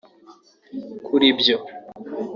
Kuri ibyo